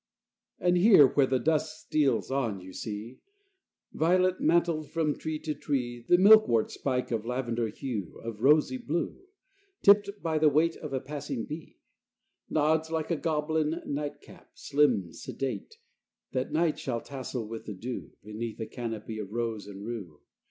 XII And here where the dusk steals on, you see, Violet mantled, from tree to tree, The milkwort's spike of lavender hue, Of rosy blue, Tipped by the weight of a passing bee, Nods like a goblin night cap, slim, sedate, That night shall tassel with the dew, Beneath a canopy of rose and rue.